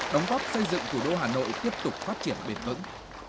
đóng góp xây dựng thủ đô hà nội tiếp tục phát triển bền vững